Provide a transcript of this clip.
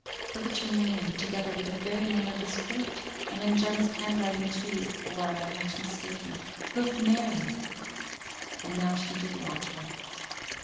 Look at your name, together with the very name of this court! And in Jem's hand writing too, or I'm much mistaken. Look, Mary!" And now she did watch her.